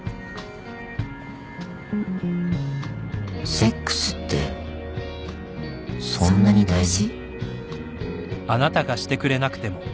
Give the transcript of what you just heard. ・セックスってそんなに大事？